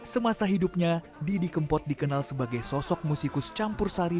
semasa hidupnya didi kempot dikenal sebagai sosok musikus campur sari